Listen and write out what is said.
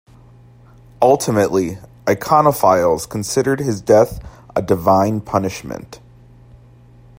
Ultimately, iconophiles considered his death a divine punishment.